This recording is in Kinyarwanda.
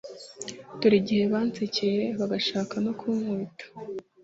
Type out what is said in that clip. dore igihe bansekeye, bagashaka no kunkubita;